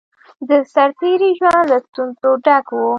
د سرتېری ژوند له ستونزو ډک وو